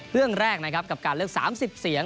เรื่องแรกนะครับกับการเลือก๓๐เสียง